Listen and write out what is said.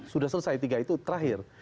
sudah selesai tiga itu terakhir